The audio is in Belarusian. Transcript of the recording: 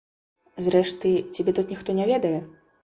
Зрэшты, цябе тут ніхто не ведае.